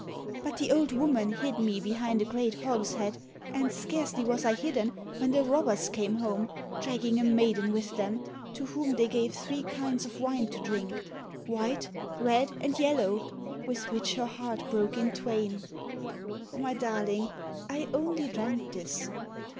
But the old woman hid me behind a great hogshead, and, scarcely was I hidden, when the robbers came home, dragging a maiden with them, to whom they gave three kinds of wine to drink, white, red, and yellow, with which her heart broke in twain. My darling, I only dreamt this.